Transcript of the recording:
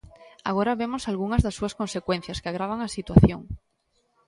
Agora vemos algunhas das súas consecuencias, que agravan a situación.